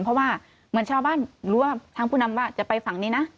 เพราะว่าเหมือนชาวบ้านรู้ว่าทางผู้นำว่าจะไปฝั่งนี้นะ